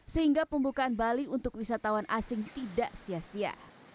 sehingga pembukaan bali untuk wisatawan asing tidak sia sia